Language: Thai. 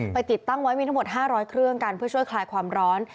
ติดตั้งไว้มีทั้งหมด๕๐๐เครื่องกันเพื่อช่วยคลายความร้อน